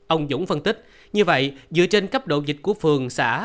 ông dũng phân tích như vậy dựa trên cấp độ dịch của phường xã